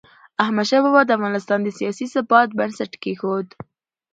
احمدشاه بابا د افغانستان د سیاسي ثبات بنسټ کېښود.